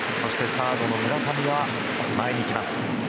サードの村上は前に行きます。